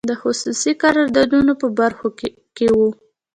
د خصوصي قراردادونو په برخو کې وو.